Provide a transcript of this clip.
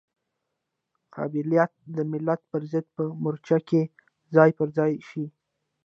قبایلت د ملت پرضد په مورچه کې ځای پر ځای شي.